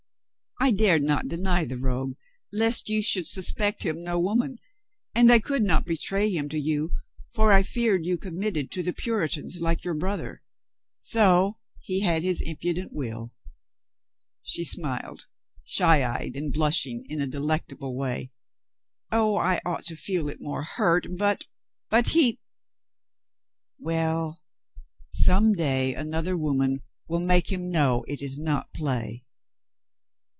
I dared not deny the rogue, lest you should suspect him no woman. And I could not betray him to you, for I feared you committed to the Puritans, like your brother. So he had his impudent will." She smiled, shy eyed, and blushing in a de lectable way. "Oh, I ought to feel it more hurt — but — but he — well, some day another woman will make him know it is not play."